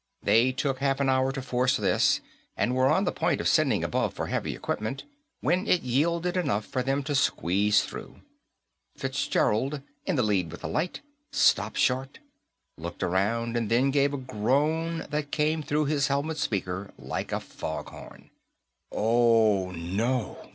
They took half an hour to force this, and were on the point of sending above for heavy equipment when it yielded enough for them to squeeze through. Fitzgerald, in the lead with the light, stopped short, looked around, and then gave a groan that came through his helmet speaker like a foghorn. "Oh, no!